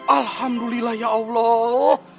alhamdulillah ya allah